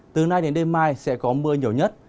từ nay đến đêm mai sẽ có mưa nhiều nhất